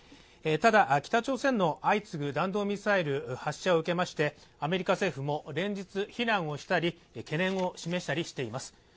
ただ、北朝鮮の相次ぐ弾道ミサイル発射を受けましてアメリカ政府も連日非難をしたり懸念を示したりしています。